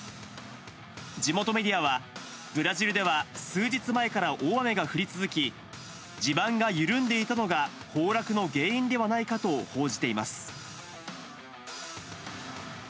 地元メディアは、ブラジルでは数日前から大雨が降り続き、地盤が緩んでいたのが崩落の原因ではないかと報じています。